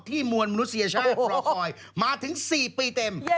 มวลมนุษยชาติรอคอยมาถึง๔ปีเต็ม